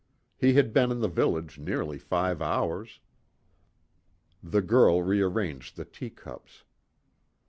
He had been in the village nearly five hours. The girl rearranged the teacups.